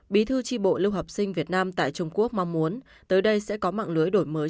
bí thư tri bộ lưu học sinh việt nam tại trung quốc mong muốn tới đây sẽ có mạng lưới đổi mới